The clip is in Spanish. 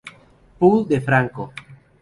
Poole de Franco.